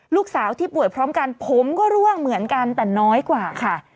ลูกสาวที่ป่วยพร้อมกันผมก็ร่วงเหมือนกันแต่น้อยกว่าค่ะ